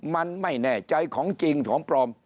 มันไม่แน่ใจของจริงของปลอม